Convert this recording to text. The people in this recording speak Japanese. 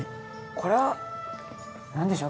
これはなんでしょう？